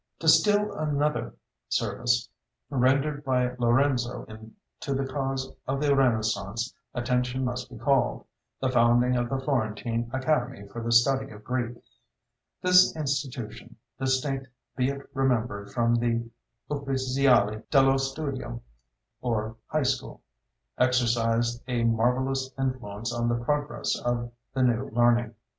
To still another service rendered by Lorenzo to the cause of the Renaissance attention must be called the founding of the Florentine Academy for the study of Greek. This institution, distinct, be it remembered, from the Uffiziali dello Studio (or high school), exercised a marvellous influence on the progress of the "New Learning."